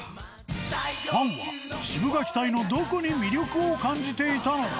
ファンはシブがき隊のどこに魅力を感じていたのか？